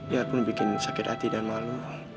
ya pun bikin sakit hati dan malu